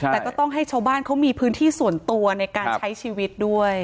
แต่ก็ต้องให้ชาวบ้านเขามีพื้นที่ส่วนตัวในการใช้ชีวิตด้วย